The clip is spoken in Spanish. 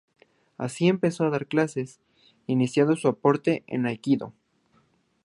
Así empezó a dar clases, iniciando su aporte al aikidō.